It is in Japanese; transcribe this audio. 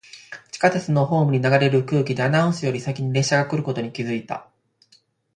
地下鉄のホームに流れる空気で、アナウンスより先に列車が来ることに気がついた。